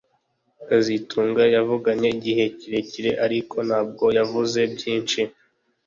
kazitunga yavuganye igihe kirekire ariko ntabwo yavuze byinshi